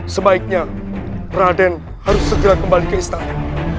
sebaiknya raden harus segera kembali ke israel